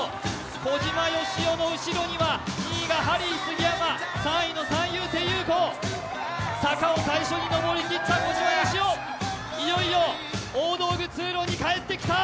小島よしおの後ろには、２位がハリー杉山、３位が三遊亭遊子坂を最初に上りきった小島よしお、いよいよ大道具通路に帰ってきた。